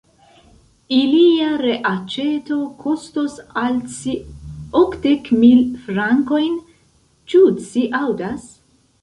Ilia reaĉeto kostos al ci okdek mil frankojn, ĉu ci aŭdas?